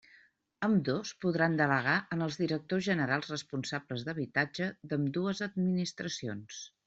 Ambdós podran delegar en els directors generals responsables d'habitatge d'ambdues administracions.